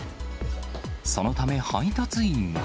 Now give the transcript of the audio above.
そのため、配達員は。